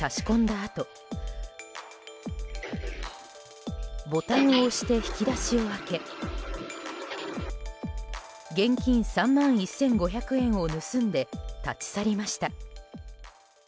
あとボタンを押して引き出しを開け現金３万１５００円を盗んで立ち去りました。